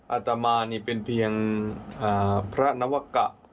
อาตมานี่เป็นเพียงพระนวกะ